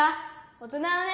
大人のね。